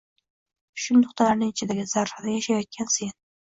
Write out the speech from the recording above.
Shu nuqtalarni ichidagi zarrada yashayotgan sen!